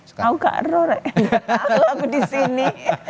aku gak tahu aku disini